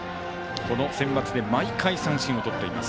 このセンバツで毎回三振をとっています。